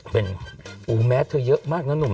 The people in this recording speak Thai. เป็นแมสเธอเยอะมากนะหนุ่ม